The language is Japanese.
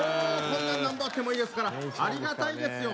こんなんなんぼあってもいいですからありがたいですよ